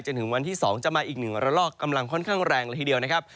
จนถึงวันที่๒จะมาอีก๑ระลอกกำลังค่อนข้างแรงละทีเดียวนะครับ